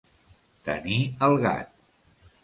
Tenir el gat.